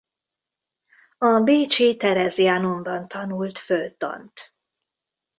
A bécsi Theresianumban tanult földtant.